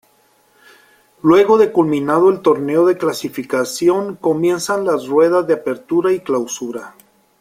Luego de culminado el Torneo de Clasificación comienzan las ruedas de Apertura y Clausura.